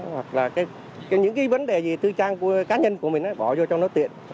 hoặc là những vấn đề thư trang cá nhân của mình bỏ vô cho nó tiện